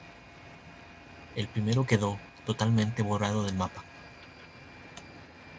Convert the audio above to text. El primero quedó totalmente borrado del mapa.